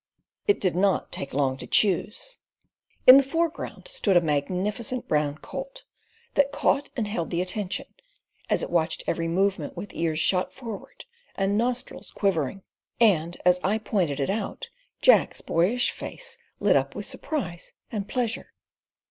It did not take long to choose. In the foreground stood a magnificent brown colt, that caught and held the attention, as it watched every movement with ears shot forward, and nostrils quivering; and as I pointed it out Jack's boyish face lit up with surprise and pleasure.